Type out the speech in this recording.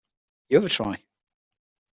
You have a try.